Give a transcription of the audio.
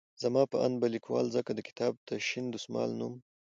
زما په اند به ليکوال ځکه د کتاب ته شين دسمال نوم